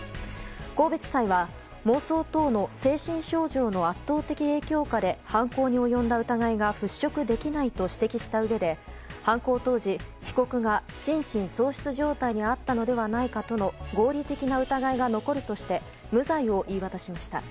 神戸地裁は、妄想等の精神症状の圧倒的影響下で犯行に及んだ疑いが払拭できないと指摘したうえで犯行当時被告が心神喪失状態にあったのではないかとの合理的な疑いが残るとして無罪を言い渡しました。